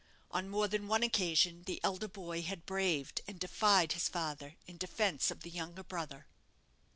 On more than one occasion, the elder boy had braved and defied his father in defence of the younger brother.